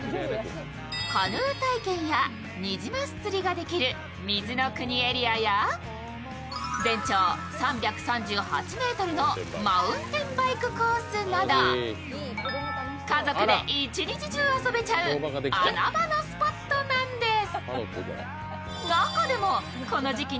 カヌー体験やニジマス釣りができる水の国エリアや全長３３８ｍのマウンテンバイクコースなど家族で一日中遊べちゃう穴場のスポットなんです。